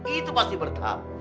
itu pasti bertahap